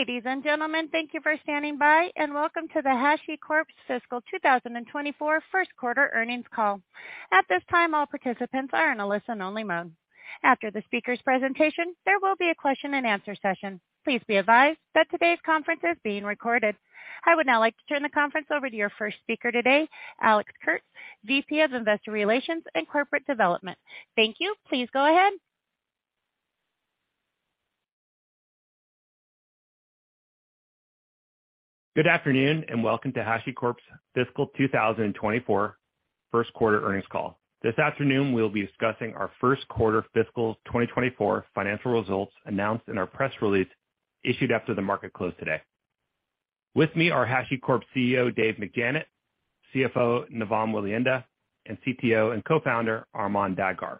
Ladies and gentlemen, thank you for standing by, and welcome to HashiCorp's Fiscal 2024 first quarter earnings call. At this time, all participants are in a listen-only mode. After the speaker's presentation, there will be a question-and-answer session. Please be advised that today's conference is being recorded. I would now like to turn the conference over to your first speaker today, Alex Kurtz, VP of Investor Relations and Corporate Development. Thank you. Please go ahead. Good afternoon, and welcome to HashiCorp's fiscal 2024 first quarter earnings call. This afternoon, we'll be discussing our first quarter fiscal 2024 financial results announced in our press release, issued after the market closed today. With me are HashiCorp CEO, Dave McJannet, CFO, Navam Welihinda, and CTO and Co-founder, Armon Dadgar.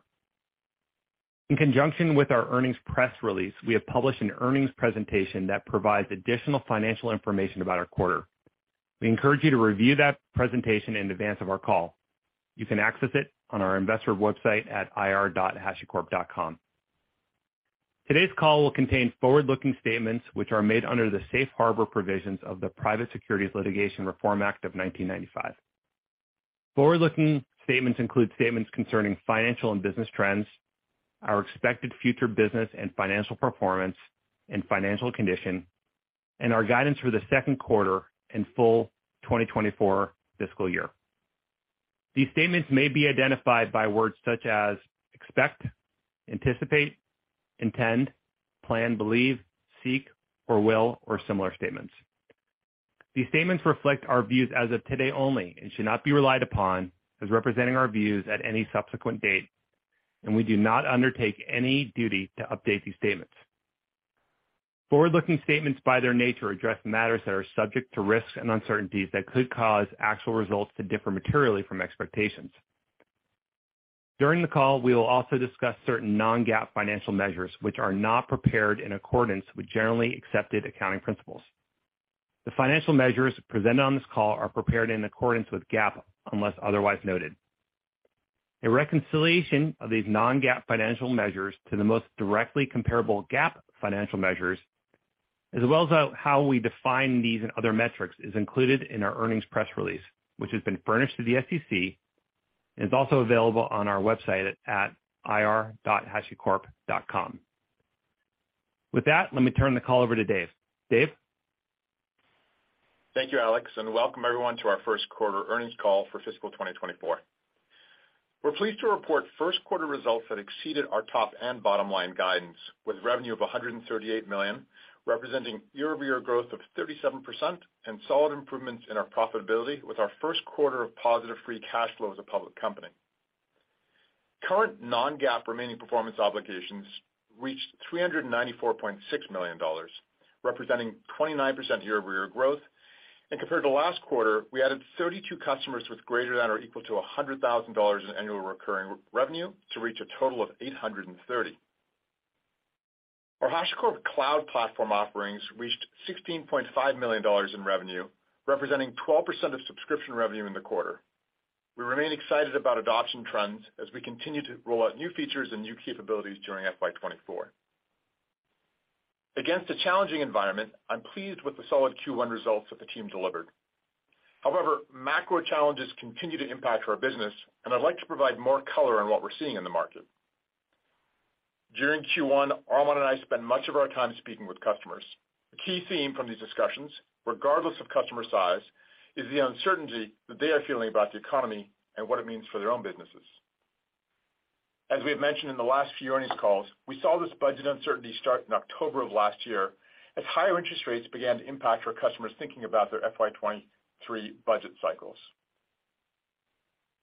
In conjunction with our earnings press release, we have published an earnings presentation that provides additional financial information about our quarter. We encourage you to review that presentation in advance of our call. You can access it on our investor website at ir.hashicorp.com. Today's call will contain forward-looking statements which are made under the Safe Harbor Provisions of the Private Securities Litigation Reform Act of 1995. Forward-looking statements include statements concerning financial and business trends, our expected future business and financial performance and financial condition, and our guidance for the second quarter and full 2024 fiscal year. These statements may be identified by words such as expect, anticipate, intend, plan, believe, seek, or will, or similar statements. These statements reflect our views as of today only and should not be relied upon as representing our views at any subsequent date, and we do not undertake any duty to update these statements. Forward-looking statements, by their nature, address matters that are subject to risks and uncertainties that could cause actual results to differ materially from expectations. During the call, we will also discuss certain non-GAAP financial measures, which are not prepared in accordance with generally accepted accounting principles. The financial measures presented on this call are prepared in accordance with GAAP, unless otherwise noted. A reconciliation of these non-GAAP financial measures to the most directly comparable GAAP financial measures, as well as how we define these and other metrics, is included in our earnings press release, which has been furnished to the SEC and is also available on our website at ir.hashicorp.com. With that, let me turn the call over to Dave. Dave? Thank you, Alex, welcome everyone to our first quarter earnings call for fiscal 2024. We're pleased to report first quarter results that exceeded our top and bottom line guidance, with revenue of $138 million, representing year-over-year growth of 37% and solid improvements in our profitability with our first quarter of positive free cash flow as a public company. Current non-GAAP remaining performance obligations reached $394.6 million, representing 29% year-over-year growth. Compared to last quarter, we added 32 customers with greater than or equal to $100,000 in annual recurring revenue to reach a total of 830. Our HashiCorp Cloud Platform offerings reached $16.5 million in revenue, representing 12% of subscription revenue in the quarter. We remain excited about adoption trends as we continue to roll out new features and new capabilities during FY 2024. Against a challenging environment, I'm pleased with the solid Q1 results that the team delivered. Macro challenges continue to impact our business, and I'd like to provide more color on what we're seeing in the market. During Q1, Armon and I spent much of our time speaking with customers. The key theme from these discussions, regardless of customer size, is the uncertainty that they are feeling about the economy and what it means for their own businesses. As we have mentioned in the last few earnings calls, we saw this budget uncertainty start in October of last year, as higher interest rates began to impact our customers thinking about their FY 2023 budget cycles.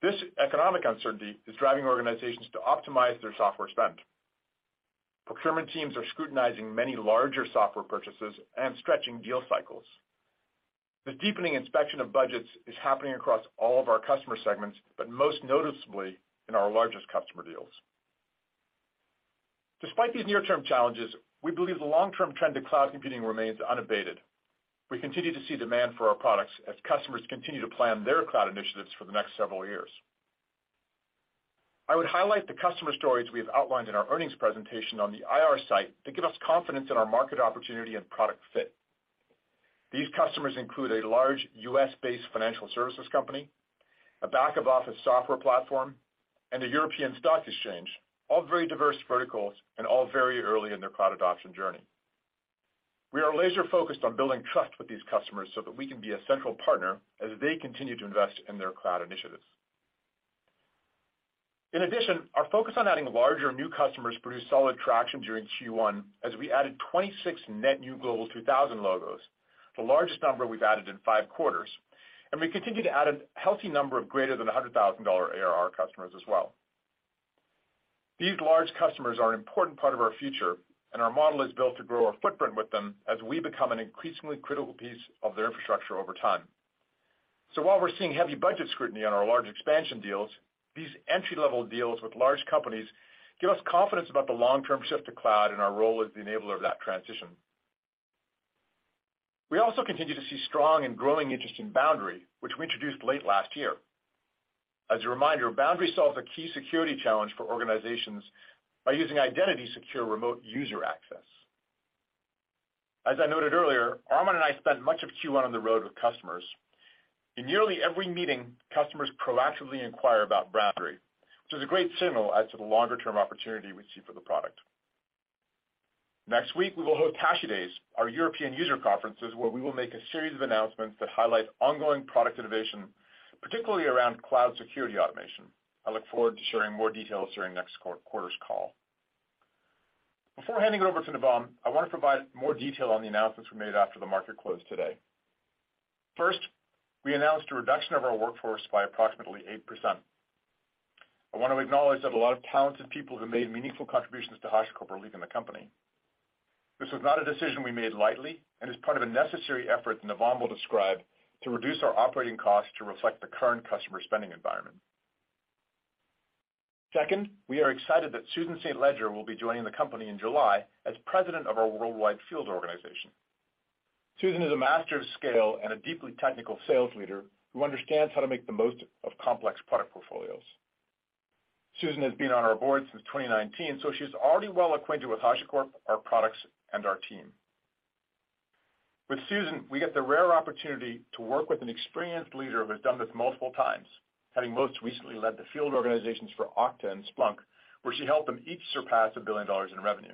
This economic uncertainty is driving organizations to optimize their software spend. Procurement teams are scrutinizing many larger software purchases and stretching deal cycles. The deepening inspection of budgets is happening across all of our customer segments, but most noticeably in our largest customer deals. Despite these near-term challenges, we believe the long-term trend to cloud computing remains unabated. We continue to see demand for our products as customers continue to plan their cloud initiatives for the next several years. I would highlight the customer stories we have outlined in our earnings presentation on the IR site that give us confidence in our market opportunity and product fit. These customers include a large U.S.-based financial services company, a back-office software platform, and a European stock exchange, all very diverse verticals and all very early in their cloud adoption journey. We are laser-focused on building trust with these customers so that we can be a central partner as they continue to invest in their cloud initiatives. Our focus on adding larger new customers produced solid traction during Q1 as we added 26 net new Global 2000 logos, the largest number we've added in 5 quarters, and we continue to add a healthy number of greater than $100,000 ARR customers as well. These large customers are an important part of our future, and our model is built to grow our footprint with them as we become an increasingly critical piece of their infrastructure over time. While we're seeing heavy budget scrutiny on our large expansion deals, these entry-level deals with large companies give us confidence about the long-term shift to cloud and our role as the enabler of that transition. We also continue to see strong and growing interest in Boundary, which we introduced late last year. As a reminder, Boundary solves a key security challenge for organizations by using identity secure remote user access. As I noted earlier, Armon and I spent much of Q1 on the road with customers. In nearly every meeting, customers proactively inquire about Boundary, which is a great signal as to the longer-term opportunity we see for the product. Next week, we will host HashiDays, our European user conferences, where we will make a series of announcements that highlight ongoing product innovation, particularly around cloud security automation. I look forward to sharing more details during next quarter's call. Before handing it over to Navam, I want to provide more detail on the announcements we made after the market closed today. First, we announced a reduction of our workforce by approximately 8%. I want to acknowledge that a lot of talented people who made meaningful contributions to HashiCorp are leaving the company. This was not a decision we made lightly and is part of a necessary effort Navam will describe to reduce our operating costs to reflect the current customer spending environment. Second, we are excited that Susan St. Ledger will be joining the company in July as President of our Worldwide Field Organization. Susan is a master of scale and a deeply technical sales leader who understands how to make the most of complex product portfolios. Susan has been on our board since 2019, so she's already well acquainted with HashiCorp, our products, and our team. With Susan, we get the rare opportunity to work with an experienced leader who has done this multiple times, having most recently led the field organizations for Okta and Splunk, where she helped them each surpass $1 billion in revenue.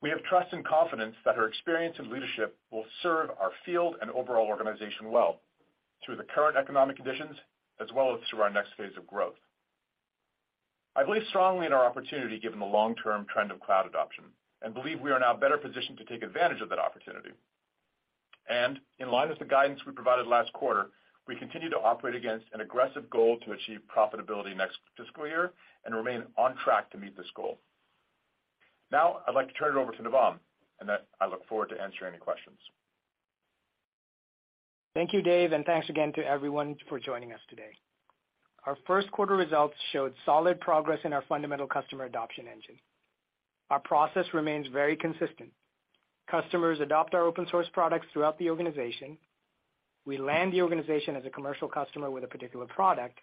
We have trust and confidence that her experience and leadership will serve our field and overall organization well through the current economic conditions, as well as through our next phase of growth. I believe strongly in our opportunity, given the long-term trend of cloud adoption, believe we are now better positioned to take advantage of that opportunity. In line with the guidance we provided last quarter, we continue to operate against an aggressive goal to achieve profitability next fiscal year and remain on track to meet this goal. Now, I'd like to turn it over to Navam, I look forward to answering any questions. Thank you, Dave. Thanks again to everyone for joining us today. Our first quarter results showed solid progress in our fundamental customer adoption engine. Our process remains very consistent. Customers adopt our open source products throughout the organization, we land the organization as a commercial customer with a particular product,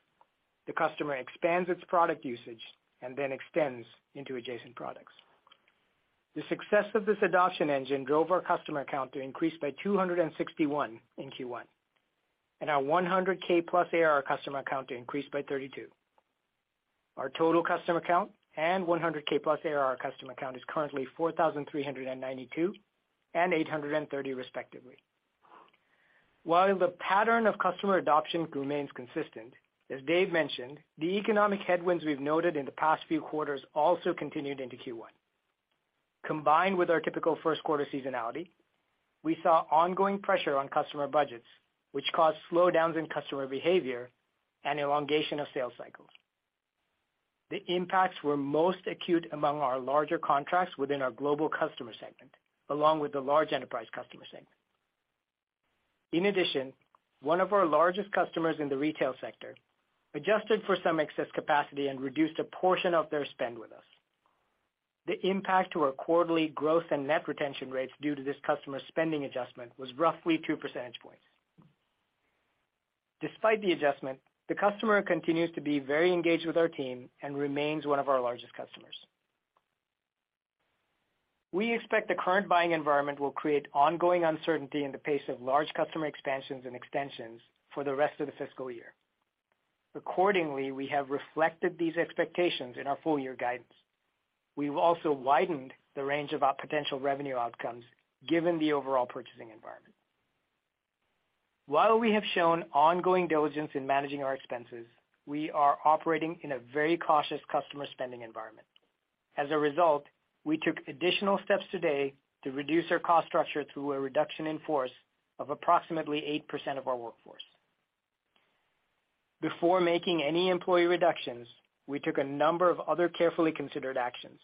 the customer expands its product usage and then extends into adjacent products. The success of this adoption engine drove our customer count to increase by 261 in Q1. Our 100K-plus ARR customer count increased by 32. Our total customer count and 100K-plus ARR customer count is currently 4,392 and 830, respectively. While the pattern of customer adoption remains consistent, as Dave mentioned, the economic headwinds we've noted in the past few quarters also continued into Q1. Combined with our typical first quarter seasonality, we saw ongoing pressure on customer budgets, which caused slowdowns in customer behavior and elongation of sales cycles. The impacts were most acute among our larger contracts within our global customer segment, along with the large enterprise customer segment. In addition, one of our largest customers in the retail sector adjusted for some excess capacity and reduced a portion of their spend with us. The impact to our quarterly growth and net retention rates due to this customer spending adjustment was roughly 2 percentage points. Despite the adjustment, the customer continues to be very engaged with our team and remains one of our largest customers. We expect the current buying environment will create ongoing uncertainty in the pace of large customer expansions and extensions for the rest of the fiscal year. Accordingly, we have reflected these expectations in our full year guidance. We've also widened the range of our potential revenue outcomes, given the overall purchasing environment. While we have shown ongoing diligence in managing our expenses, we are operating in a very cautious customer spending environment. As a result, we took additional steps today to reduce our cost structure through a reduction in force of approximately 8% of our workforce. Before making any employee reductions, we took a number of other carefully considered actions,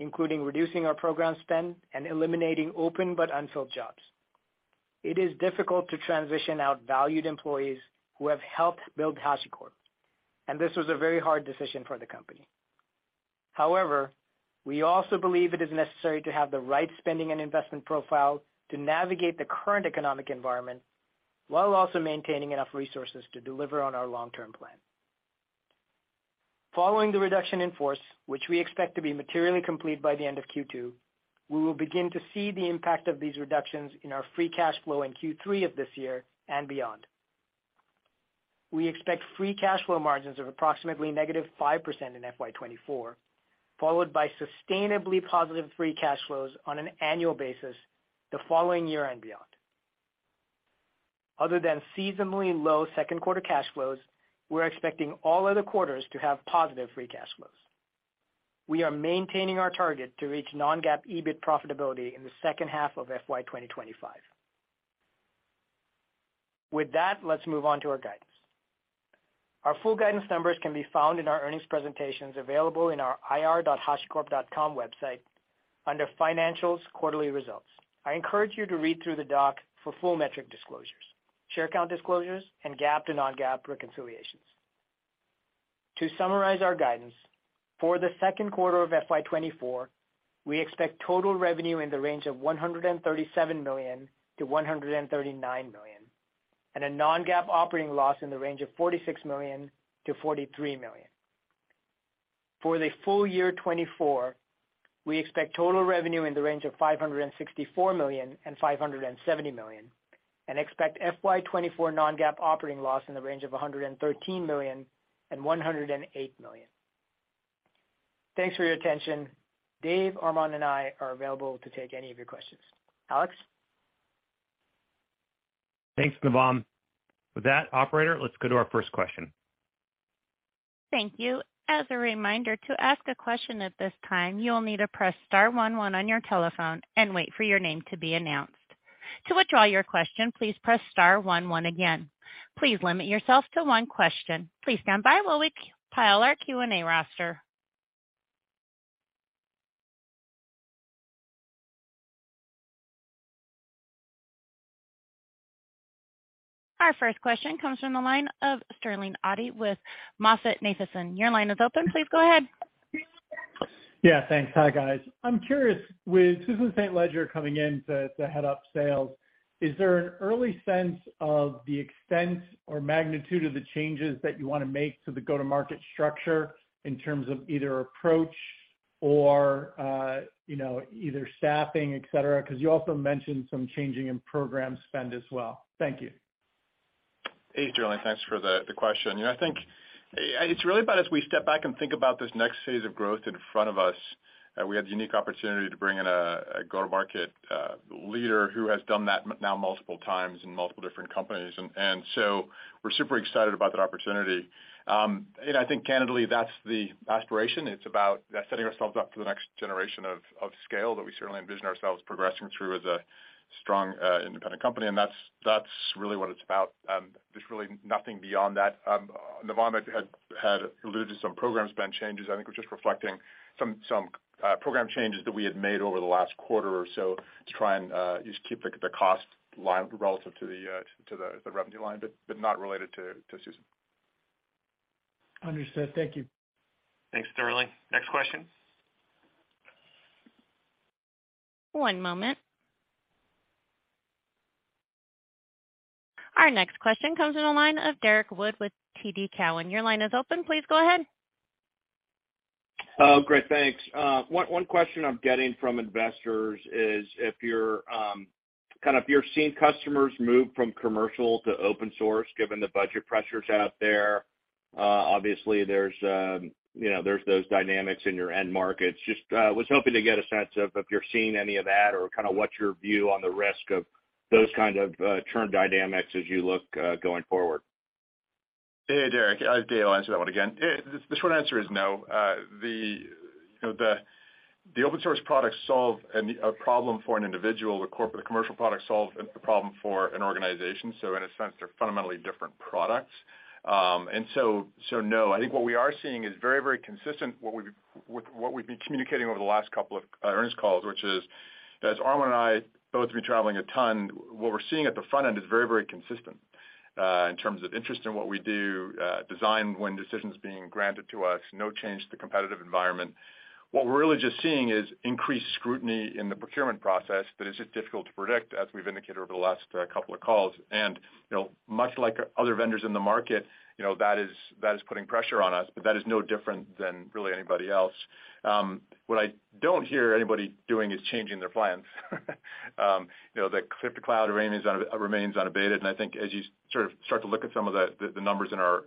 including reducing our program spend and eliminating open but unfilled jobs. It is difficult to transition out valued employees who have helped build HashiCorp, and this was a very hard decision for the company. However, we also believe it is necessary to have the right spending and investment profile to navigate the current economic environment while also maintaining enough resources to deliver on our long-term plan. Following the reduction in force, which we expect to be materially complete by the end of Q2, we will begin to see the impact of these reductions in our free cash flow in Q3 of this year and beyond. We expect free cash flow margins of approximately negative 5% in FY 2024, followed by sustainably positive free cash flows on an annual basis the following year and beyond. Other than seasonally low second quarter cash flows, we're expecting all other quarters to have positive free cash flows. We are maintaining our target to reach non-GAAP operating profitability in the second half of FY 2025. With that, let's move on to our guidance. Our full guidance numbers can be found in our earnings presentations, available in our ir.hashicorp.com website under Financials, Quarterly Results. I encourage you to read through the doc for full metric disclosures, share count disclosures, and GAAP to non-GAAP reconciliations. To summarize our guidance, for the second quarter of FY 2024, we expect total revenue in the range of $137 million-$139 million, and a non-GAAP operating loss in the range of $46 million-$43 million. For the full year 2024, we expect total revenue in the range of $564 million and $570 million, and expect FY 2024 non-GAAP operating loss in the range of $113 million and $108 million. Thanks for your attention. Dave, Armon, and I are available to take any of your questions. Alex? Thanks, Navam. Operator, let's go to our first question. Thank you. As a reminder, to ask a question at this time, you will need to press star 11 on your telephone and wait for your name to be announced. To withdraw your question, please press star 11 again. Please limit yourself to one question. Please stand by while we compile our Q&A roster. Our first question comes from the line of Sterling Auty with MoffettNathanson. Your line is open. Please go ahead. Yeah, thanks. Hi, guys. I'm curious, with Susan St. Ledger coming in to head up sales, is there an early sense of the extent or magnitude of the changes that you wanna make to the go-to-market structure in terms of either approach or, you know, either staffing, et cetera? 'Cause you also mentioned some changing in program spend as well. Thank you. Hey, Sterling, thanks for the question. Yeah, I think it's really about as we step back and think about this next phase of growth in front of us, we have the unique opportunity to bring in a go-to-market leader who has done that now multiple times in multiple different companies. We're super excited about that opportunity. I think candidly, that's the aspiration. It's about setting ourselves up for the next generation of scale that we certainly envision ourselves progressing through as a strong, independent company, and that's really what it's about. There's really nothing beyond that. Navam had alluded to some program spend changes. I think we're just reflecting some program changes that we had made over the last quarter or so to try and just keep the cost line relative to the revenue line, but not related to Susan. Understood. Thank you. Thanks, Sterling. Next question? One moment. Our next question comes in the line of Derrick Wood with TD Cowen. Your line is open. Please go ahead. Oh, great, thanks. One question I'm getting from investors is if you're kind of, you're seeing customers move from commercial to open source, given the budget pressures out there, obviously there's, you know, there's those dynamics in your end markets. Just was hoping to get a sense of if you're seeing any of that or kind of what's your view on the risk of those kind of term dynamics as you look going forward? Hey, Derrick. I'll answer that one again. The short answer is no. The, you know, the open source products solve a problem for an individual. The corporate commercial product solves a problem for an organization. In a sense, they're fundamentally different products. So, no. I think what we are seeing is very consistent, with what we've been communicating over the last couple of earnings calls, which is, as Armon and I both have been traveling a ton, what we're seeing at the front end is very consistent, in terms of interest in what we do, design, when decisions being granted to us, no change to the competitive environment. What we're really just seeing is increased scrutiny in the procurement process, but it's just difficult to predict, as we've indicated over the last, couple of calls. You know, much like other vendors in the market, you know, that is putting pressure on us, but that is no different than really anybody else. What I don't hear anybody doing is changing their plans. You know, the clip to cloud remains unabated, and I think as you sort of start to look at some of the numbers in our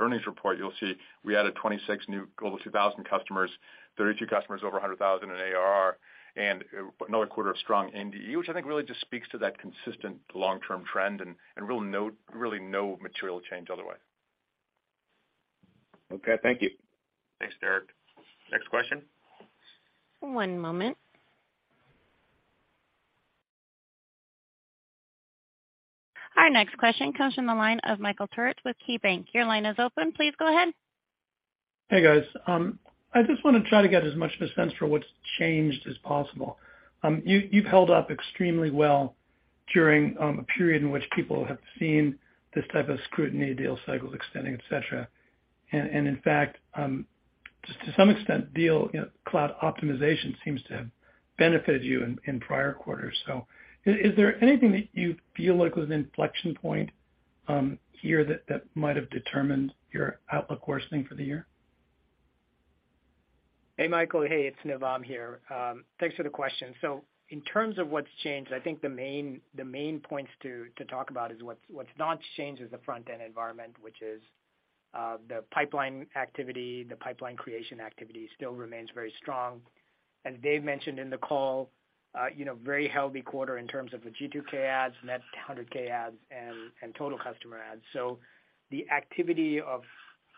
earnings report, you'll see we added 26 new Global 2000 customers, 32 customers over $100,000 in ARR, and another quarter of strong NDE, which I think really just speaks to that consistent long-term trend and really no material change otherwise. Okay, thank you. Thanks, Derrick. Next question? One moment. Our next question comes from the line of Michael Turits with KeyBanc. Your line is open. Please go ahead. Hey, guys. I just wanna try to get as much of a sense for what's changed as possible. You've held up extremely well during a period in which people have seen this type of scrutiny, deal cycles extending, et cetera. In fact, just to some extent, deal, you know, cloud optimization seems to have benefited you in prior quarters. Is there anything that you feel like was an inflection point here that might have determined your outlook worsening for the year? Hey, Michael. Hey, it's Navam here. Thanks for the question. In terms of what's changed, I think the main points to talk about is what's not changed is the front-end environment, which is the pipeline activity, the pipeline creation activity still remains very strong. As Dave mentioned in the call, you know, very healthy quarter in terms of the G2K adds, net 100K adds, and total customer adds. The activity of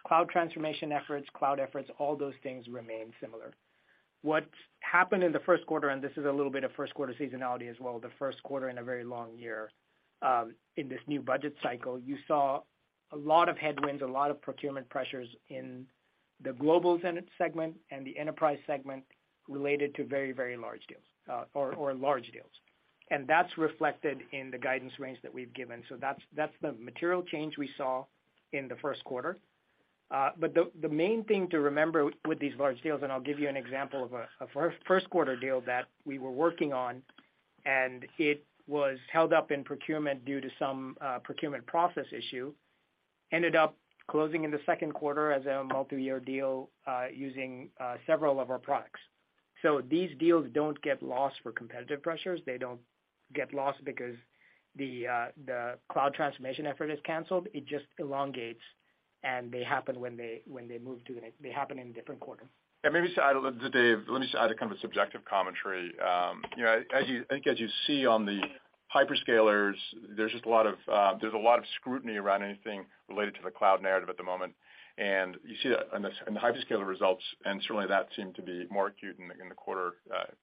cloud transformation efforts, cloud efforts, all those things remain similar. What's happened in the first quarter, and this is a little bit of first quarter seasonality as well, the first quarter in a very long year, in this new budget cycle, you saw a lot of headwinds, a lot of procurement pressures in the global segment and the enterprise segment related to very, very large deals, or large deals. That's reflected in the guidance range that we've given. That's the material change we saw in the first quarter. The main thing to remember with these large deals, and I'll give you an example of a first quarter deal that we were working on, and it was held up in procurement due to some procurement process issue, ended up closing in the second quarter as a multi-year deal, using several of our products. These deals don't get lost for competitive pressures. They don't get lost because the cloud transformation effort is canceled. It just elongates, and they happen when they happen in a different quarter. Yeah, maybe to add, Dave, let me just add a kind of a subjective commentary. You know, I think as you see on the hyperscalers, there's just a lot of, there's a lot of scrutiny around anything related to the cloud narrative at the moment. You see that in the, in the hyperscaler results, and certainly, that seemed to be more acute in the, in the quarter,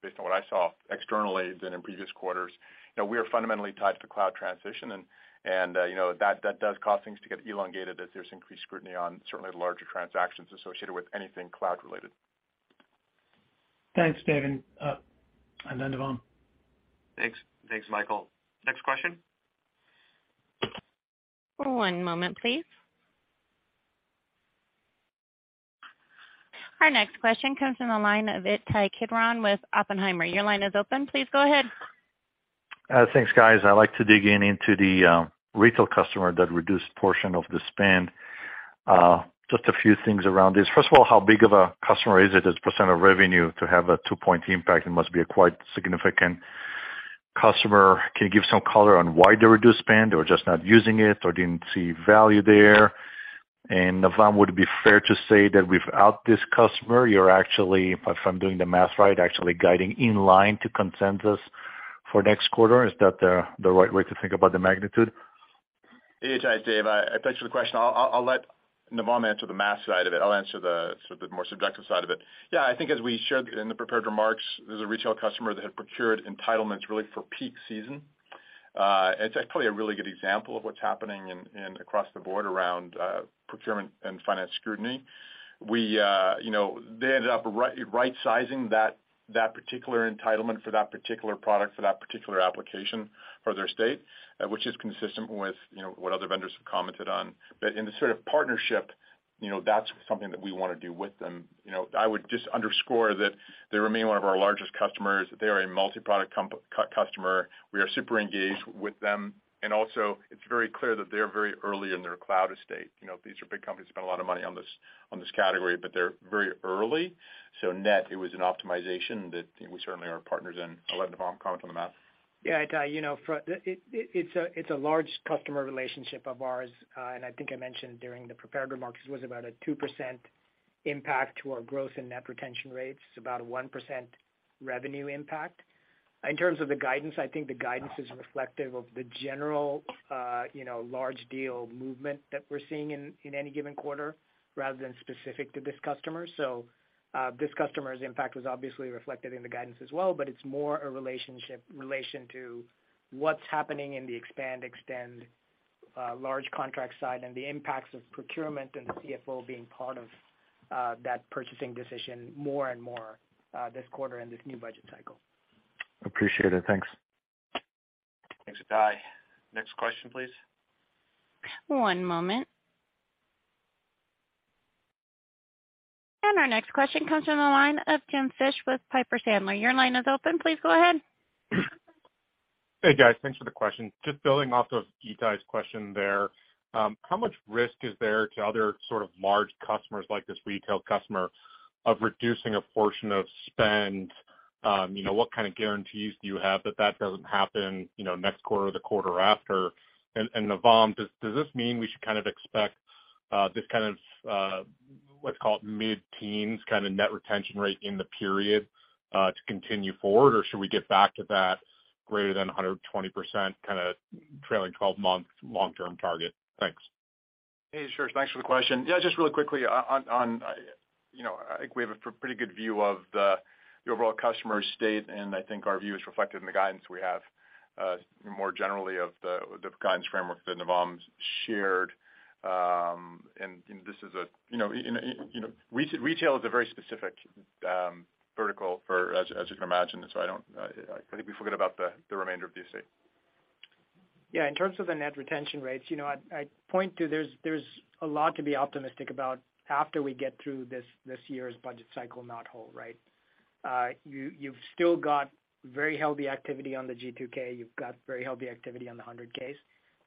based on what I saw externally than in previous quarters. You know, we are fundamentally tied to cloud transition, and that does cause things to get elongated as there's increased scrutiny on certainly the larger transactions associated with anything cloud related. Thanks, Dave, and then Navam. Thanks. Thanks, Michael. Next question? One moment, please. Our next question comes from the line of Ittai Kidron with Oppenheimer. Your line is open. Please go ahead. Thanks, guys. I'd like to dig in into the retail customer that reduced portion of the spend. Just a few things around this. First of all, how big of a customer is it as % of revenue to have a 2-point impact? It must be a quite significant customer. Can you give some color on why they reduced spend, or just not using it, or didn't see value there? Navam, would it be fair to say that without this customer, you're actually, if I'm doing the math right, actually guiding in line to consensus for next quarter? Is that the right way to think about the magnitude? Ittai, Dave, thanks for the question. I'll let Navam answer the math side of it. I'll answer the sort of the more subjective side of it. I think as we showed in the prepared remarks, there's a retail customer that had procured entitlements really for peak season. It's actually a really good example of what's happening in across the board around procurement and finance scrutiny. We, you know, they ended up right sizing that particular entitlement for that particular product, for that particular application for their state, which is consistent with, you know, what other vendors have commented on. In the sort of partnership, you know, that's something that we want to do with them. You know, I would just underscore that they remain one of our largest customers. They are a multi-product customer. We are super engaged with them, and also, it's very clear that they're very early in their cloud estate. You know, these are big companies, spend a lot of money on this, on this category, but they're very early. Net, it was an optimization that we certainly are partners in. I'll let Navam comment on the math. Yeah, Ittai, you know, it's a large customer relationship of ours, I think I mentioned during the prepared remarks, this was about a 2% impact to our growth and net retention rates, about a 1% revenue impact. In terms of the guidance, I think the guidance is reflective of the general, you know, large deal movement that we're seeing in any given quarter, rather than specific to this customer. This customer's impact was obviously reflected in the guidance as well, but it's more a relation to what's happening in the expand, extend, large contract side and the impacts of procurement and the CFO being part of that purchasing decision more and more this quarter and this new budget cycle. Appreciate it. Thanks. Thanks, Ittai. Next question, please. One moment. Our next question comes from the line of Jim Fish with Piper Sandler. Your line is open. Please go ahead. Hey, guys. Thanks for the question. Just building off of Ittai's question there, how much risk is there to other sort of large customers like this retail customer, of reducing a portion of spend? You know, what kind of guarantees do you have that that doesn't happen, you know, next quarter or the quarter after? Navam, does this mean we should kind of expect this kind of, let's call it mid-teens kind of net retention rate in the period, to continue forward, or should we get back to that greater than 120% kind of trailing twelve-month long-term target? Thanks. Hey, sure. Thanks for the question. Yeah, just really quickly, on, you know, I think we have a pretty good view of the overall customer state, and I think our view is reflected in the guidance we have, more generally of the guidance framework that Navam's shared. You know, retail is a very specific, vertical for, as you can imagine, so I don't think we forget about the remainder of the state. Yeah, in terms of the net retention rates, you know, I'd point to there's a lot to be optimistic about after we get through this year's budget cycle, not whole, right? You've still got very healthy activity on the G2K. You've got very healthy activity on the 100K.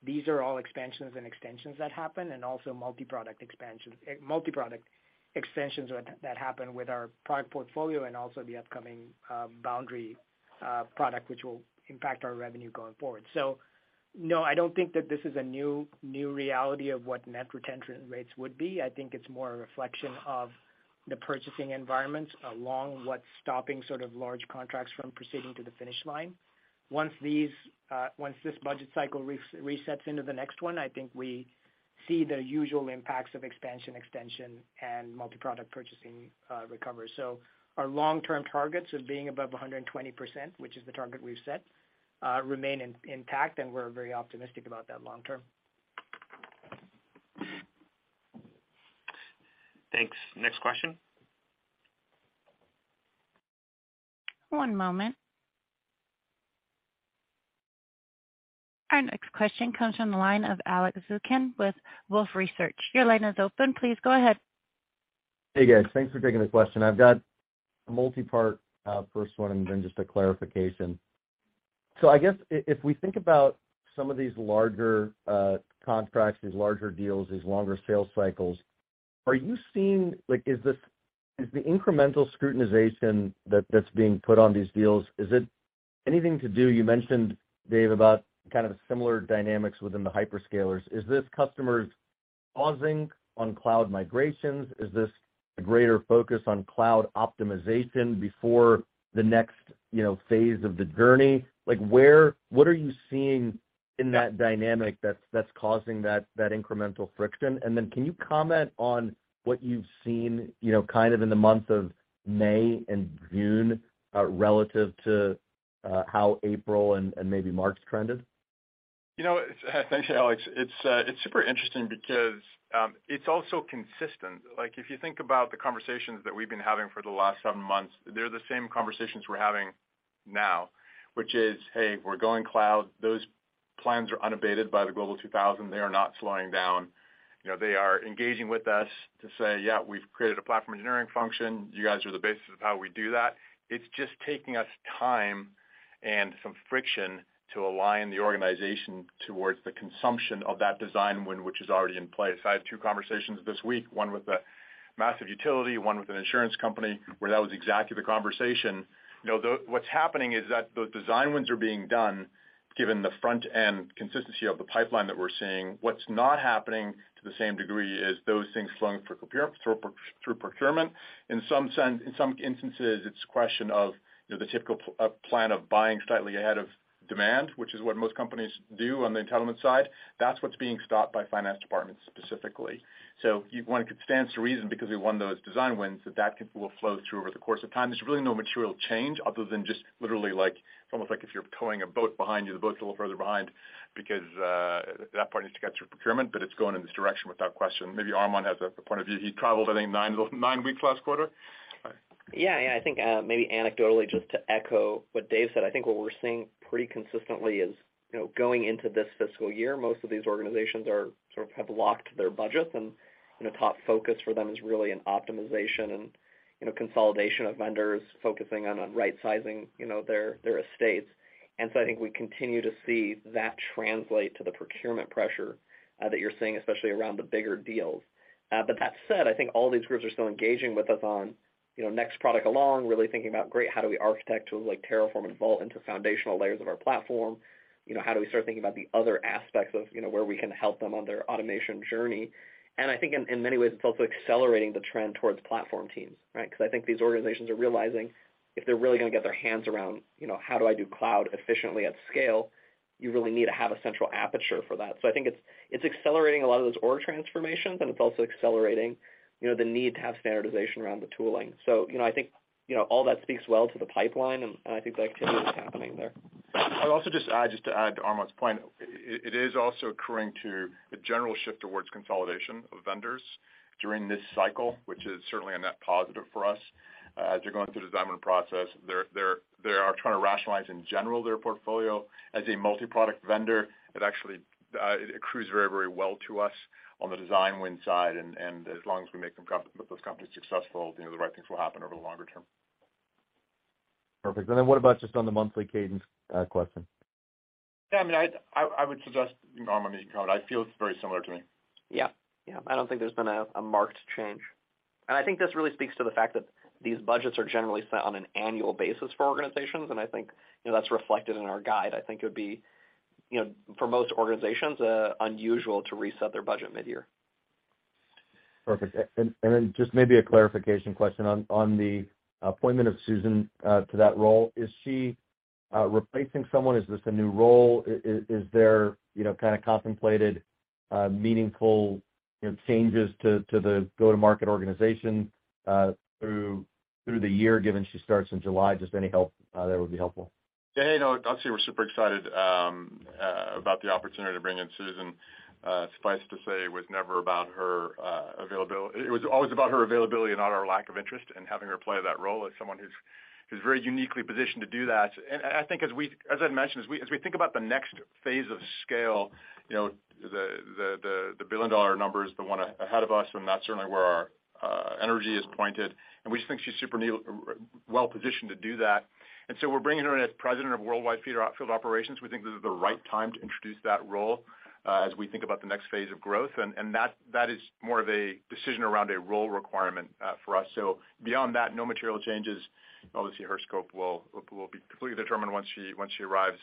These are all expansions and extensions that happen, also multi-product extensions that happen with our product portfolio and also the upcoming Boundary product, which will impact our revenue going forward. No, I don't think that this is a new reality of what net retention rates would be. I think it's more a reflection of the purchasing environments along what's stopping sort of large contracts from proceeding to the finish line. Once these, once this budget cycle resets into the next one, I think we see the usual impacts of expansion, extension, and multi-product purchasing, recovery. Our long-term targets of being above 120%, which is the target we've set remain in intact, and we're very optimistic about that long term. Thanks. Next question? One moment. Our next question comes from the line of Alex Zukin with Wolfe Research. Your line is open. Please go ahead. Hey, guys. Thanks for taking the question. I've got a multipart, first one and then just a clarification. I guess if we think about some of these larger contracts, these larger deals, these longer sales cycles, are you seeing? Like, is this, is the incremental scrutinization that's being put on these deals, is it anything to do? You mentioned, Dave, about kind of similar dynamics within the hyperscalers. Is this customers pausing on cloud migrations? Is this a greater focus on cloud optimization before the next, you know, phase of the journey? Like, where, what are you seeing in that dynamic that's causing that incremental friction? Can you comment on what you've seen, you know, kind of in the month of May and June, relative to how April and maybe March trended? You know, thanks, Alex. It's, it's super interesting because, it's also consistent. Like, if you think about the conversations that we've been having for the last seven months, they're the same conversations we're having now, which is, "Hey, we're going cloud." Those plans are unabated by the Global 2000. They are not slowing down. You know, they are engaging with us to say, "Yeah, we've created a platform engineering function. You guys are the basis of how we do that." It's just taking us time and some friction to align the organization towards the consumption of that design win, which is already in place. I had two conversations this week, one with a massive utility, one with an insurance company, where that was exactly the conversation. You know, what's happening is that those design wins are being done, given the front-end consistency of the pipeline that we're seeing. What's not happening to the same degree is those things flowing through procure, through procurement. In some sense, in some instances, it's a question of, you know, the typical plan of buying slightly ahead of demand, which is what most companies do on the entitlement side. That's what's being stopped by finance departments specifically. You'd want it stands to reason because we won those design wins, that that will flow through over the course of time. There's really no material change other than just literally, like, it's almost like if you're towing a boat behind you, the boat's a little further behind because that part needs to get through procurement, but it's going in this direction without question. Maybe Arman has a point of view. He traveled, I think, nine weeks last quarter? Yeah. I think, maybe anecdotally, just to echo what Dave said, I think what we're seeing pretty consistently is, you know, going into this fiscal year, most of these organizations are, sort of have locked their budgets, and, you know, top focus for them is really in optimization and, you know, consolidation of vendors, focusing on right-sizing, you know, their estates. I think we continue to see that translate to the procurement pressure that you're seeing, especially around the bigger deals. But that said, I think all these groups are still engaging with us on, you know, next product along, really thinking about, great, how do we architect tools like Terraform and Vault into foundational layers of our platform? You know, how do we start thinking about the other aspects of, you know, where we can help them on their automation journey? I think in many ways, it's also accelerating the trend towards platform teams, right? Because I think these organizations are realizing if they're really gonna get their hands around, you know, how do I do cloud efficiently at scale, you really need to have a central aperture for that. I think it's accelerating a lot of those org transformations, and it's also accelerating, you know, the need to have standardization around the tooling. You know, I think, you know, all that speaks well to the pipeline, and I think the activity is happening there. I'd also just add, just to add to Armon's point, it is also occurring to a general shift towards consolidation of vendors during this cycle, which is certainly a net positive for us. As you're going through the design win process, they are trying to rationalize in general their portfolio. As a multi-product vendor, it actually, it accrues very, very well to us on the design win side, and as long as we make those companies successful, you know, the right things will happen over the longer term. Perfect. And then what about just on the monthly cadence, question? Yeah, I mean, I would suggest, Armon, you can comment. I feel it's very similar to me. Yeah. Yeah, I don't think there's been a marked change. I think this really speaks to the fact that these budgets are generally set on an annual basis for organizations, and I think, you know, that's reflected in our guide. I think it would be, you know, for most organizations, unusual to reset their budget midyear. Perfect. Then just maybe a clarification question on the appointment of Susan to that role. Is she replacing someone? Is this a new role? Is there, you know, kind of contemplated meaningful, you know, changes to the go-to-market organization through the year, given she starts in July? Just any help there would be helpful. Yeah, hey, no, obviously, we're super excited about the opportunity to bring in Susan. Suffice to say, it was never about her availability. It was always about her availability and not our lack of interest in having her play that role as someone who's very uniquely positioned to do that. As I mentioned, as we think about the next phase of scale, you know, the billion-dollar number is the one ahead of us, and that's certainly where our energy is pointed, and we just think she's super well positioned to do that. We're bringing her in as President of Worldwide Field Operations. We think this is the right time to introduce that role, as we think about the next phase of growth, and that is more of a decision around a role requirement for us. Beyond that, no material changes. Obviously, her scope will be completely determined once she arrives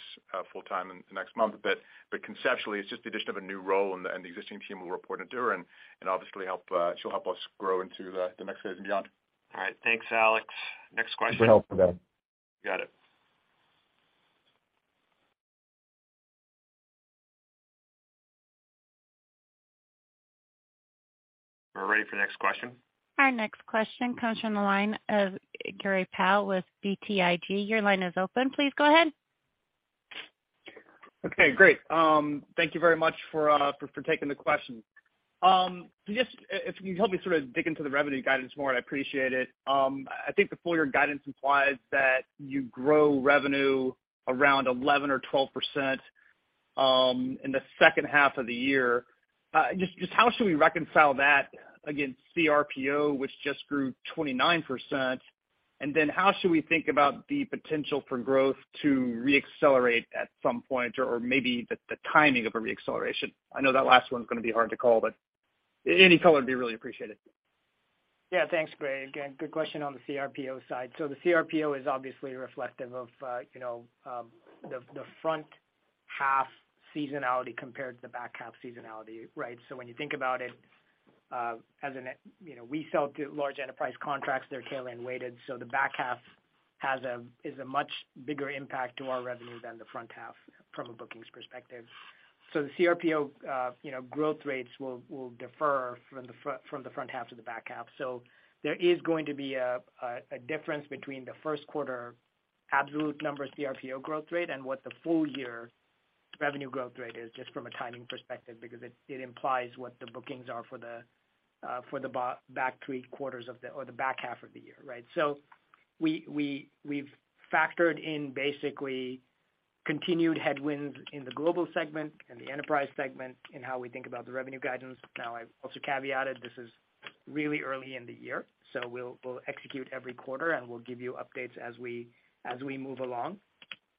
full-time in the next month. Conceptually, it's just the addition of a new role, and the existing team will report into her and obviously, help she'll help us grow into the next phase and beyond. All right. Thanks, Alex. Next question. Great help for them. Got it. Ready for the next question? Our next question comes from the line of Gray Powell with BTIG. Your line is open. Please go ahead. Okay, great. Thank you very much for taking the question. Just, if you can help me sort of dig into the revenue guidance more, I'd appreciate it. I think the full year guidance implies that you grow revenue around 11% or 12% in the second half of the year. Just how should we reconcile that against CRPO, which just grew 29%? How should we think about the potential for growth to reaccelerate at some point, or maybe the timing of a reacceleration? I know that last one's gonna be hard to call, but any color would be really appreciated. Yeah. Thanks, Gray. Again, good question on the CRPO side. The CRPO is obviously reflective of, you know, the front half seasonality compared to the back half seasonality, right? When you think about it, you know, we sell to large enterprise contracts, they're tail end weighted, the back half is a much bigger impact to our revenue than the front half from a bookings perspective. The CRPO, you know, growth rates will defer from the front half to the back half. There is going to be a difference between the first quarter absolute number CRPO growth rate and what the full year revenue growth rate is, just from a timing perspective, because it implies what the bookings are for the back 3 quarters of the, or the back half of the year, right? We've factored in basically continued headwinds in the global segment and the enterprise segment in how we think about the revenue guidance. I've also caveated, this is really early in the year, so we'll execute every quarter, and we'll give you updates as we move along.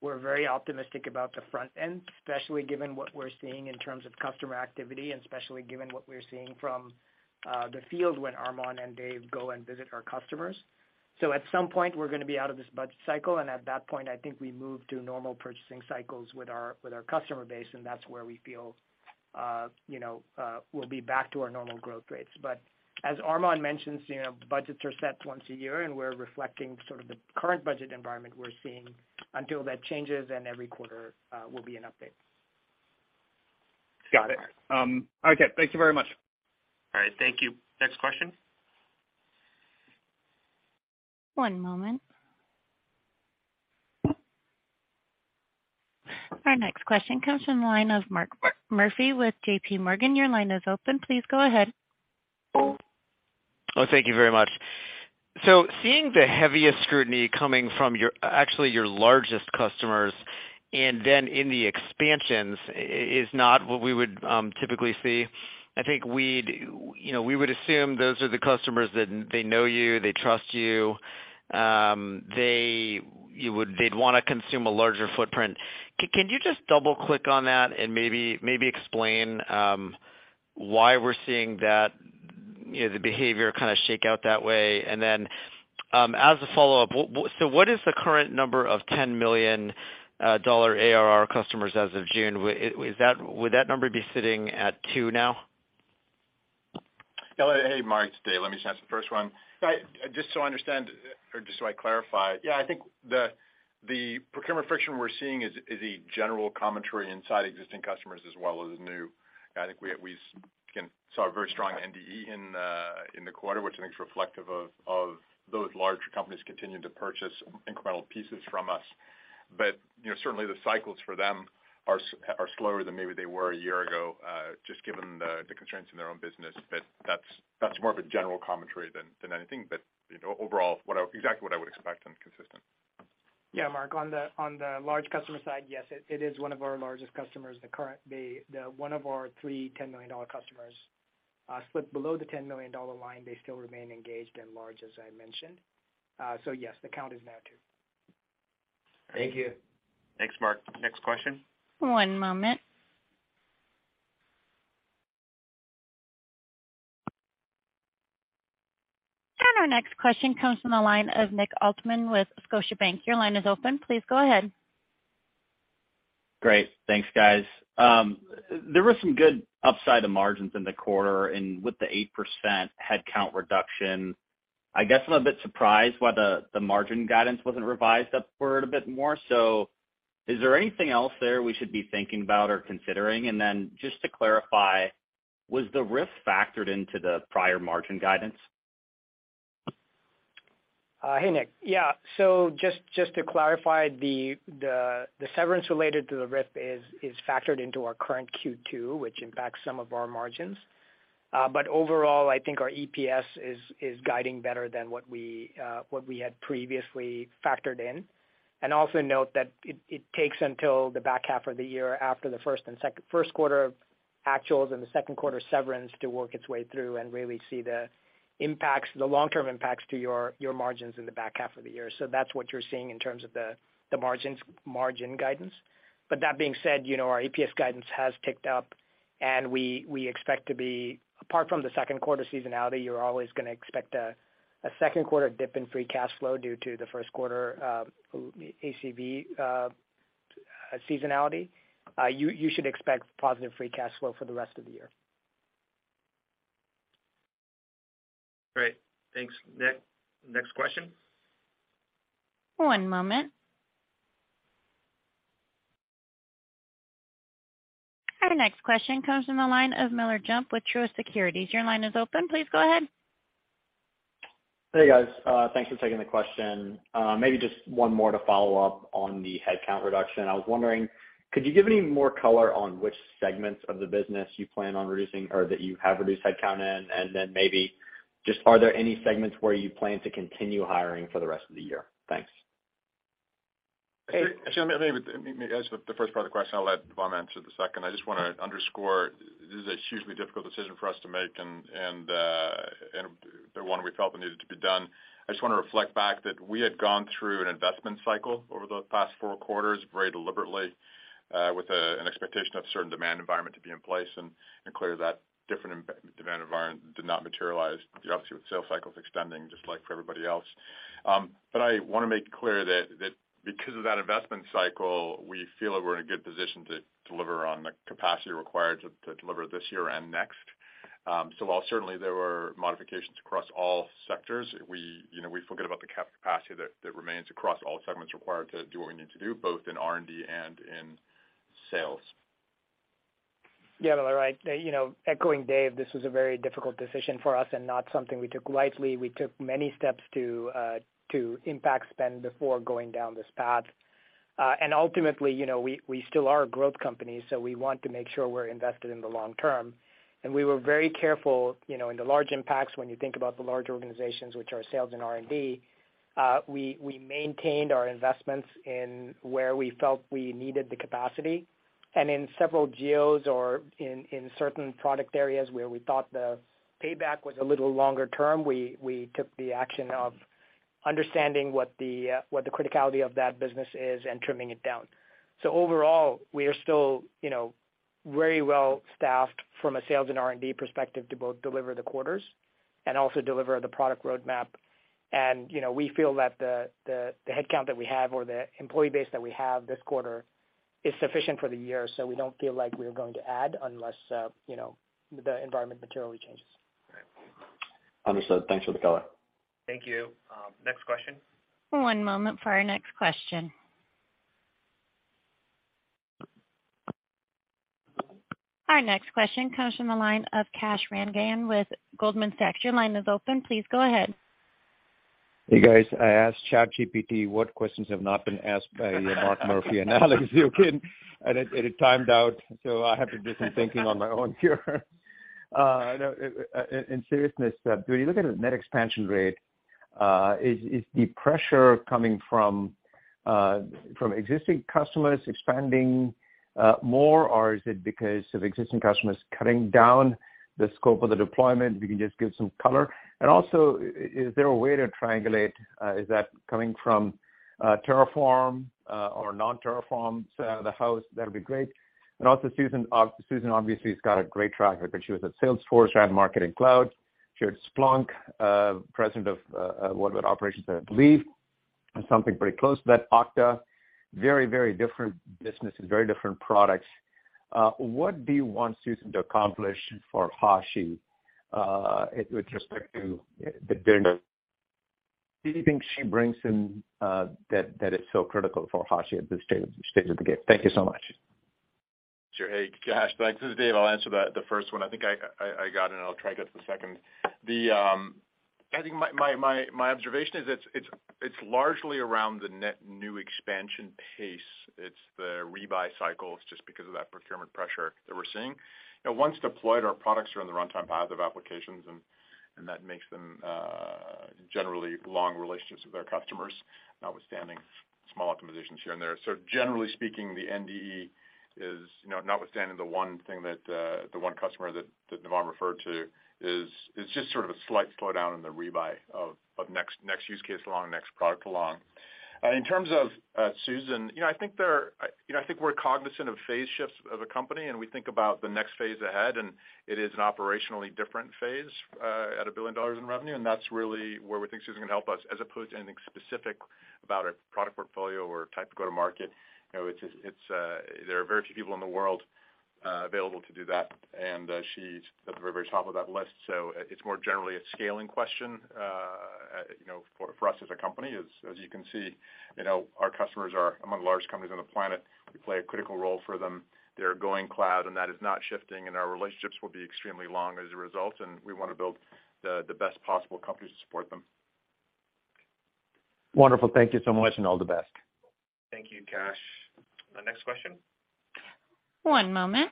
We're very optimistic about the front end, especially given what we're seeing in terms of customer activity, and especially given what we're seeing from the field when Armon and Dave go and visit our customers. At some point, we're gonna be out of this budget cycle, and at that point, I think we move to normal purchasing cycles with our, with our customer base, and that's where we feel, you know, we'll be back to our normal growth rates. As Armon mentioned, you know, budgets are set once a year, and we're reflecting sort of the current budget environment we're seeing until that changes, and every quarter will be an update. Got it. Okay. Thank you very much. All right. Thank you. Next question? One moment. Our next question comes from the line of Mark Murphy with J.P. Morgan. Your line is open. Please go ahead. Thank you very much. Seeing the heaviest scrutiny coming from your, actually your largest customers, and then in the expansions, is not what we would typically see. I think we'd, you know, we would assume those are the customers that they know you, they trust you, they'd wanna consume a larger footprint. Can you just double-click on that and maybe explain why we're seeing that, you know, the behavior kind of shake out that way? As a follow-up, what is the current number of $10 million ARR customers as of June? Would that number be sitting at 2 now? Hey, Mark, it's Dave. Let me start the first one. Just so I understand, or just so I clarify. Yeah, I think the procurement friction we're seeing is a general commentary inside existing customers as well as new. I think we again saw a very strong NDE in the quarter, which I think is reflective of those large companies continuing to purchase incremental pieces from us. You know, certainly the cycles for them are slower than maybe they were a year ago, just given the constraints in their own business. That's more of a general commentary than anything. You know, overall, exactly what I would expect and consistent. Yeah, Mark, on the large customer side, yes, it is one of our largest customers, the one of our 3 $10 million customers, slipped below the $10 million line. They still remain engaged and large, as I mentioned. Yes, the count is now 2. Thank you. Thanks, Mark. Next question? One moment. Our next question comes from the line of Nick Altmann with Scotiabank. Your line is open. Please go ahead. Great. Thanks, guys. There was some good upside to margins in the quarter and with the 8% headcount reduction, I guess I'm a bit surprised why the margin guidance wasn't revised upward a bit more. Is there anything else there we should be thinking about or considering? Just to clarify, was the RIF factored into the prior margin guidance? Hey, Nick. Yeah, just to clarify, the severance related to the RIF is factored into our current Q2, which impacts some of our margins. Overall, I think our EPS is guiding better than what we had previously factored in. Also note that it takes until the back half of the year after the first quarter actuals and the second quarter severance to work its way through and really see the impacts, the long-term impacts to your margins in the back half of the year. That's what you're seeing in terms of the margins, margin guidance. That being said, you know, our EPS guidance has ticked up, and we expect to be apart from the second quarter seasonality, you're always gonna expect a second quarter dip in free cash flow due to the first quarter ACV seasonality. You should expect positive free cash flow for the rest of the year. Great. Thanks, Nick. Next question? One moment. Our next question comes from the line of Miller Jump with Truist Securities. Your line is open. Please go ahead. Hey, guys. Thanks for taking the question. Maybe just one more to follow up on the headcount reduction. I was wondering, could you give any more color on which segments of the business you plan on reducing or that you have reduced headcount in? Maybe just are there any segments where you plan to continue hiring for the rest of the year? Thanks. Let me answer the first part of the question. I'll let Armon answer the second. I just want to underscore, this is a hugely difficult decision for us to make, and one we felt that needed to be done. I just want to reflect back that we had gone through an investment cycle over the past four quarters very deliberately, with an expectation of certain demand environment to be in place, and clearly, that different demand environment did not materialize, obviously, with sales cycles extending just like for everybody else. I want to make clear that because of that investment cycle, we feel that we're in a good position to deliver on the capacity required to deliver this year and next. While certainly there were modifications across all sectors, we, you know, we forget about the cap capacity that remains across all segments required to do what we need to do, both in R&D and in sales. Yeah, Miller, right. You know, echoing Dave, this was a very difficult decision for us and not something we took lightly. We took many steps to impact spend before going down this path. Ultimately, you know, we still are a growth company, so we want to make sure we're invested in the long term. We were very careful, you know, in the large impacts, when you think about the large organizations, which are sales and R&D, we maintained our investments in where we felt we needed the capacity. In several geos or in certain product areas where we thought the payback was a little longer term, we took the action of understanding what the criticality of that business is and trimming it down. Overall, we are still, you know, very well staffed from a sales and R&D perspective to both deliver the quarters and also deliver the product roadmap. You know, we feel that the headcount that we have or the employee base that we have this quarter is sufficient for the year. We don't feel like we are going to add unless, you know, the environment materially changes. Understood. Thanks for the color. Thank you. Next question. One moment for our next question. Our next question comes from the line of Kash Rangan with Goldman Sachs. Your line is open. Please go ahead. Hey, guys. I asked ChatGPT what questions have not been asked by Mark Murphy and Alex Zukin, and it timed out, so I have to do some thinking on my own here. In seriousness, when you look at the net expansion rate, is the pressure coming from existing customers expanding more, or is it because of existing customers cutting down the scope of the deployment? If you can just give some color. Is there a way to triangulate, is that coming from Terraform or non-Terraform side of the house? That'll be great. Susan obviously has got a great track record. She was at Salesforce around Marketing Cloud. She was at Splunk, president of worldwide operations, I believe, something pretty close to that, Okta. Very different businesses, very different products. What do you want Susan to accomplish for Hashi with respect to the business? What do you think she brings in that is so critical for Hashi at this stage of the game? Thank you so much. Sure. Hey, Kash. This is Dave. I'll answer the first one. I think I got it, and I'll try to get to the second. I think my observation is it's largely around the net new expansion pace. It's the rebuy cycles, just because of that procurement pressure that we're seeing. You know, once deployed, our products are on the runtime path of applications, and that makes them generally long relationships with our customers, notwithstanding small optimizations here and there. Generally speaking, the NDE is, you know, notwithstanding the one thing that the one customer that Navam referred to, is just sort of a slight slowdown in the rebuy of next use case along, next product along. In terms of Susan, you know, I think we're cognizant of phase shifts of a company, and we think about the next phase ahead, and it is an operationally different phase at $1 billion in revenue, and that's really where we think Susan St. Ledger's going to help us, as opposed to anything specific about our product portfolio or type of go-to-market. You know, it's, there are very few people in the world available to do that, and she's at the very, very top of that list. So it's more generally a scaling question, you know, for us as a company. As you can see, you know, our customers are among the largest companies on the planet. We play a critical role for them. They're going cloud, and that is not shifting, and our relationships will be extremely long as a result, and we want to build the best possible companies to support them. Wonderful. Thank you so much, and all the best. Thank you, Kash. The next question? One moment.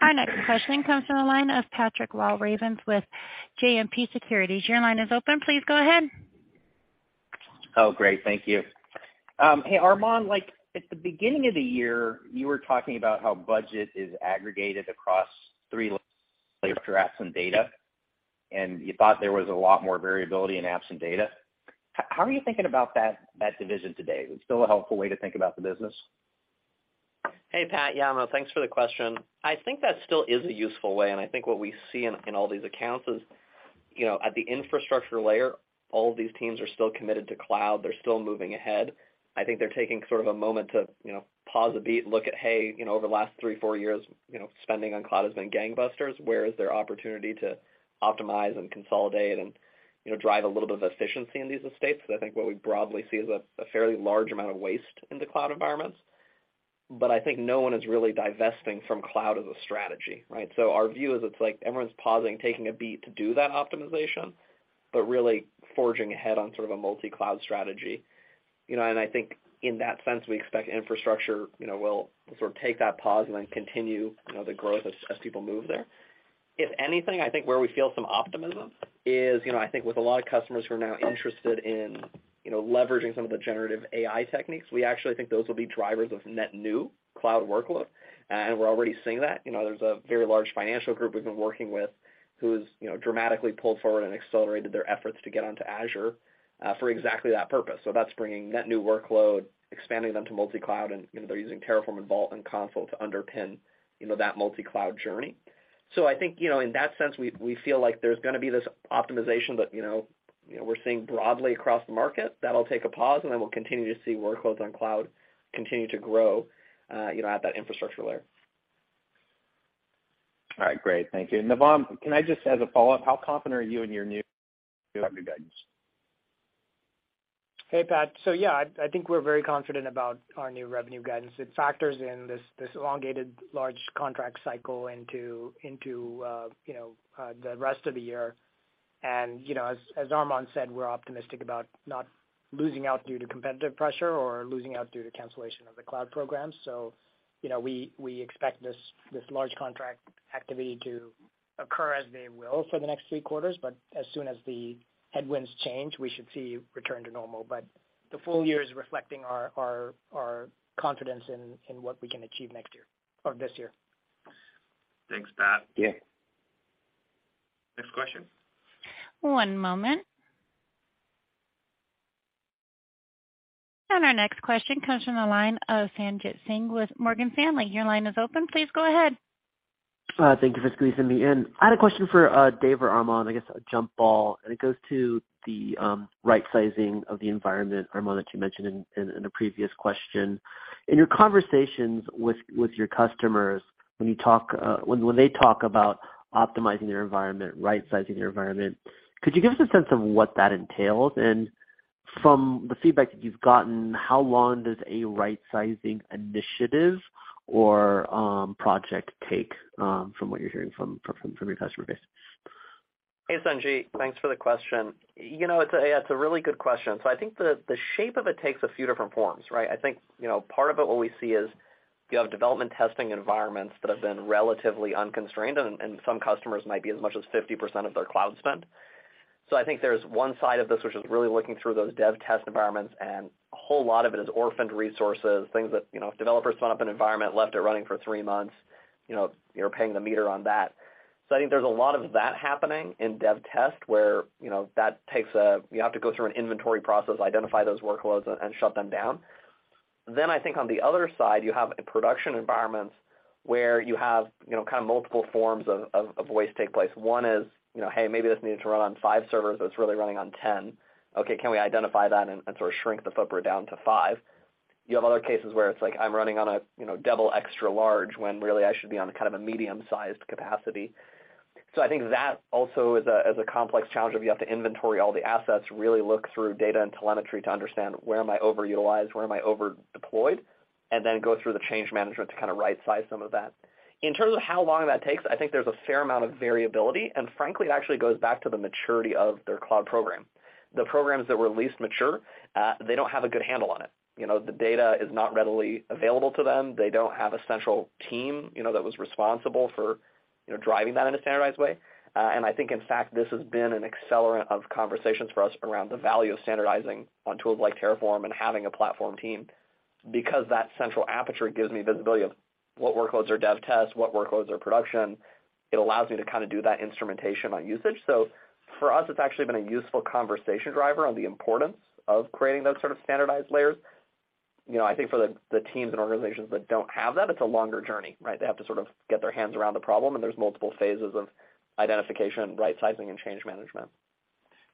Our next question comes from the line of Patrick Walravens with JMP Securities. Your line is open. Please go ahead. Oh, great. Thank you. Hey, Armon, like, at the beginning of the year, you were talking about how budget is aggregated across 3 layers: apps and data, and you thought there was a lot more variability in apps and data. How are you thinking about that division today? Is it still a helpful way to think about the business? Hey, Pat. Yeah, thanks for the question. I think that still is a useful way. I think what we see in all these accounts is, you know, at the infrastructure layer, all of these teams are still committed to cloud. They're still moving ahead. I think they're taking sort of a moment to, you know, pause a beat and look at, hey, you know, over the last three, four years, you know, spending on cloud has been gangbusters. Where is there opportunity to optimize and consolidate and, you know, drive a little bit of efficiency in these estates? I think what we broadly see is a fairly large amount of waste in the cloud environments. I think no one is really divesting from cloud as a strategy, right? Our view is it's like everyone's pausing, taking a beat to do that optimization, but really forging ahead on sort of a multi-cloud strategy. I think in that sense, we expect infrastructure, you know, will sort of take that pause and then continue, you know, the growth as people move there. If anything, I think where we feel some optimism is, you know, I think with a lot of customers who are now interested in, you know, leveraging some of the generative AI techniques, we actually think those will be drivers of net new cloud workload. We're already seeing that. You know, there's a very large financial group we've been working with who's, you know, dramatically pulled forward and accelerated their efforts to get onto Azure for exactly that purpose. That's bringing net new workload, expanding them to multi-cloud, and, you know, they're using Terraform and Vault and Consul to underpin, you know, that multi-cloud journey. I think, you know, in that sense, we feel like there's gonna be this optimization that, you know, we're seeing broadly across the market. That'll take a pause, then we'll continue to see workloads on cloud continue to grow, you know, at that infrastructure layer. All right, great. Thank you. Navam, can I just, as a follow-up, how confident are you in your new revenue guidance? Hey, Pat. Yeah, I think we're very confident about our new revenue guidance. It factors in this elongated large contract cycle into, you know, the rest of the year. You know, as Armon said, we're optimistic about not losing out due to competitive pressure or losing out due to cancellation of the cloud program. You know, we expect this large contract activity to occur as they will for the next 3 quarters, but as soon as the headwinds change, we should see return to normal. The full year is reflecting our confidence in what we can achieve next year or this year. Thanks, Pat. Yeah. Next question? One moment. Our next question comes from the line of Sanjit Singh with Morgan Stanley. Your line is open. Please go ahead. Thank you for squeezing me in. I had a question for Dave or Armon, I guess, a jump ball. It goes to the right sizing of the environment, Armon, that you mentioned in a previous question. In your conversations with your customers, when you talk, when they talk about optimizing their environment, right-sizing their environment, could you give us a sense of what that entails? From the feedback that you've gotten, how long does a right-sizing initiative or project take from what you're hearing from your customer base? Hey, Sanjit, thanks for the question. You know, it's a really good question. I think the shape of it takes a few different forms, right? I think, you know, part of it, what we see is you have development testing environments that have been relatively unconstrained, and some customers might be as much as 50% of their cloud spend. I think there's one side of this, which is really looking through those dev test environments, and a whole lot of it is orphaned resources, things that, you know, developers spun up an environment, left it running for three months, you know, you're paying the meter on that. I think there's a lot of that happening in dev test, where, you know, that takes a. You have to go through an inventory process, identify those workloads, and shut them down. I think on the other side, you have production environments where you have, you know, kind of multiple forms of waste take place. One is, you know, hey, maybe this needs to run on 5 servers, but it's really running on 10. Okay, can we identify that and sort of shrink the footprint down to 5? You have other cases where it's like, I'm running on a, you know, double extra large, when really I should be on a kind of a medium-sized capacity. I think that also is a complex challenge of you have to inventory all the assets, really look through data and telemetry to understand where am I overutilized, where am I over deployed, and then go through the change management to kind of right-size some of that. In terms of how long that takes, I think there's a fair amount of variability, and frankly, it actually goes back to the maturity of their cloud program. The programs that were least mature, they don't have a good handle on it. You know, the data is not readily available to them. They don't have a central team, you know, that was responsible for, you know, driving that in a standardized way. I think, in fact, this has been an accelerant of conversations for us around the value of standardizing on tools like Terraform and having a platform team, because that central aperture gives me visibility of what workloads are dev test, what workloads are production. It allows me to kind of do that instrumentation on usage. For us, it's actually been a useful conversation driver on the importance of creating those sort of standardized layers. You know, I think for the teams and organizations that don't have that, it's a longer journey, right? They have to sort of get their hands around the problem, and there's multiple phases of identification, right-sizing, and change management.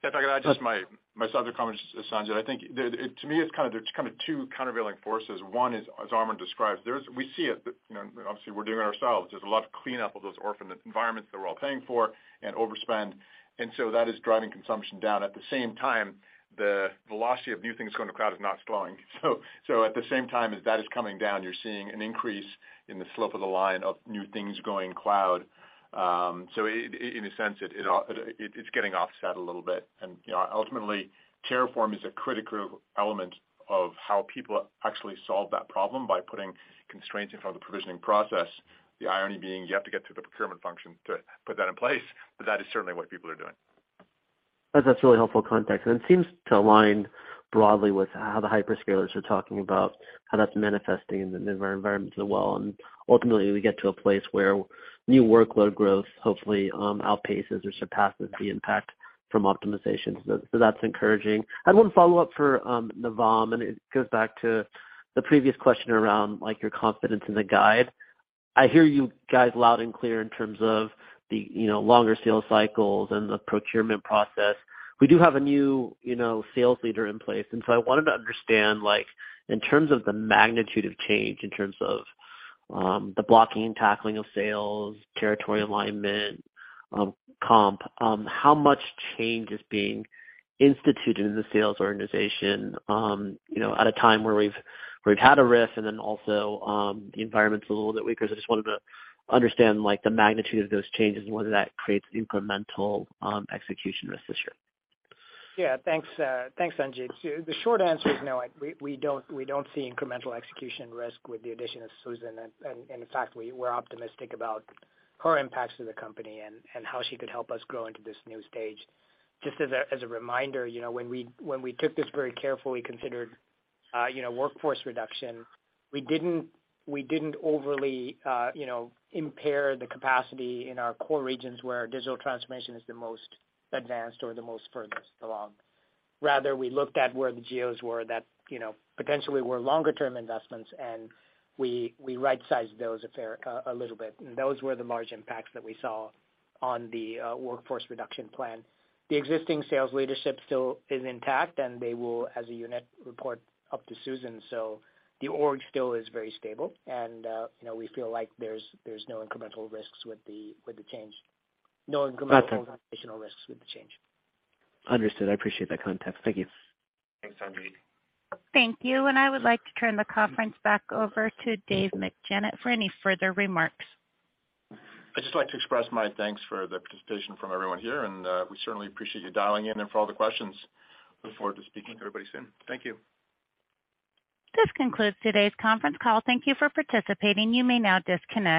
If I can add myself to comment, Sanjit. I think the, to me, it's kind of two countervailing forces. One is, as Armon describes, we see it, you know, obviously, we're doing it ourselves. There's a lot of cleanup of those orphaned environments that we're all paying for and overspend, and so that is driving consumption down. At the same time, the velocity of new things going to cloud is not slowing. At the same time, as that is coming down, you're seeing an increase in the slope of the line of new things going cloud. In a sense, it's getting offset a little bit. You know, ultimately, Terraform is a critical element of how people actually solve that problem by putting constraints in front of the provisioning process. The irony being, you have to get through the procurement function to put that in place, but that is certainly what people are doing. That's a really helpful context. It seems to align broadly with how the hyperscalers are talking about how that's manifesting in the environment as well. Ultimately, we get to a place where new workload growth hopefully, outpaces or surpasses the impact from optimization. That's encouraging. I have one follow-up for Navam. It goes back to the previous question around, like, your confidence in the guide. I hear you guys loud and clear in terms of the, you know, longer sales cycles and the procurement process. We do have a new, you know, sales leader in place. I wanted to understand, like, in terms of the magnitude of change, in terms of the blocking and tackling of sales, territory alignment, comp, how much change is being instituted in the sales organization, you know, at a time where we've had a RIF and then also, the environment's a little bit weaker. I just wanted to understand, like, the magnitude of those changes and whether that creates incremental execution risk this year. Thanks, Sanjit. The short answer is no. we don't see incremental execution risk with the addition of Susan, and, in fact, we're optimistic about her impacts to the company and how she could help us grow into this new stage. Just as a reminder, you know, when we took this very carefully considered, you know, workforce reduction, we didn't overly, you know, impair the capacity in our core regions where our digital transformation is the most advanced or the most furthest along. Rather, we looked at where the geos were that, you know, potentially were longer term investments, and we right-sized those a fair a little bit. And those were the large impacts that we saw on the workforce reduction plan. The existing sales leadership still is intact, and they will, as a unit, report up to Susan. The org still is very stable, and, you know, we feel like there's no incremental risks with the change. Okay. Additional risks with the change. Understood. I appreciate that context. Thank you. Thanks, Sanjit. Thank you. I would like to turn the conference back over to Dave McJannet for any further remarks. I'd just like to express my thanks for the participation from everyone here, and we certainly appreciate you dialing in and for all the questions. Look forward to speaking to everybody soon. Thank you. This concludes today's conference call. Thank you for participating. You may now disconnect.